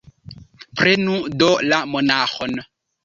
Prenu do la monaĥon!